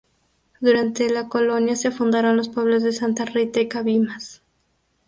Durante la colonia se fundaron los pueblos de Santa Rita y Cabimas.